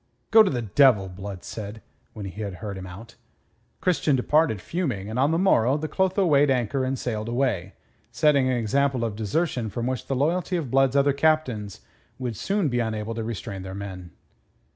"Go to the devil!" Blood said, when he had heard him out. Christian departed fuming, and on the morrow the Clotho weighed anchor and sailed away, setting an example of desertion from which the loyalty of Blood's other captains would soon be unable to restrain their men.